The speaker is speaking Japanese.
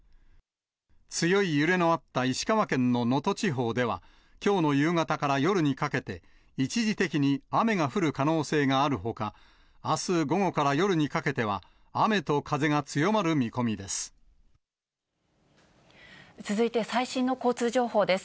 強い揺れのあった石川県の能登地方では、きょうの夕方から夜にかけて、一時的に雨が降る可能性があるほか、あす午後から夜にかけ続いて、最新の交通情報です。